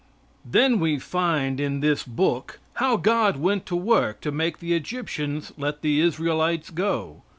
Then we find in this book how God went to work to make the Egyptians let the Israelites go.